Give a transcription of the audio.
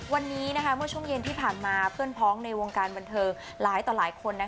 วันนี้เมื่อช่วงเย็นที่ผ่านมาเพื่อนพ้องในวงการบันเทิงหลายต่อหลายคน